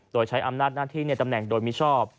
โดยใช้อำนาจหน้าที่ในตำแหน่งโดยมิชอบ